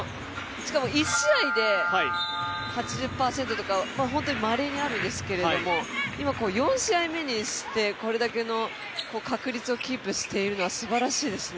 しかも１試合で、８０％とか本当にまれにあるんですけど今、４試合目にして、これだけの確率をキープしているのはすばらしいですね。